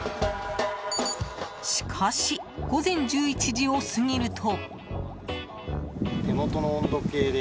しかし、午前１１時を過ぎると。